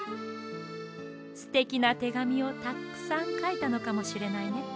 すてきなてがみをたっくさんかいたのかもしれないね。